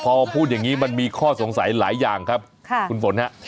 พอพูดอย่างนี้มันมีข้อสงสัยหลายอย่างครับคุณฝนฮะ